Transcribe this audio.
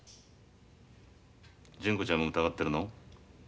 純子ちゃんも疑ってるの？